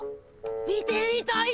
見てみたいだ。